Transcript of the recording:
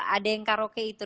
ada yang karaoke itu